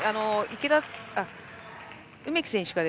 梅木選手